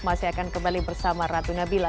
masih akan kembali bersama ratu nabila